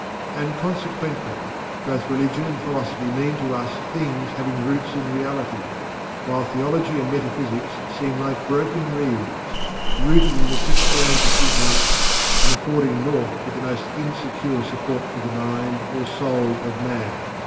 And consequently, both Religion and Philosophy mean to us things having roots in Reality, while Theology and Metaphysics seem like broken reeds, rooted in the quicksands of ignorance, and affording naught but the most insecure support for the mind or soul of Man.